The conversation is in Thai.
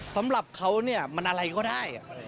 สำหรับเขาเนี่ยมันอะไรก็ได้